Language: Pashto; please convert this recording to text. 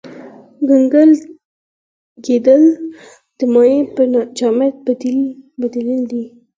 کنګل کېدل د مایع په جامد بدلیدل دي.